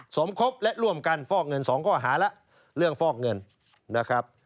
สมคบและร่วมกันฟอกเงินสองข้อหาแล้วเรื่องฟอกเงินนะครับ